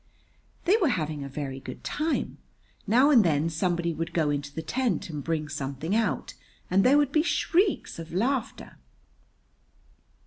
They were having a very good time. Now and then somebody would go into the tent and bring something out, and there would be shrieks of laughter.